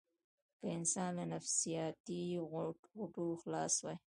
که انسان له نفسياتي غوټو خلاص وي.